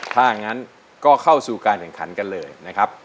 ถ้างั้นก็เข้าสู่การแข่งขันกันเลยนะครับ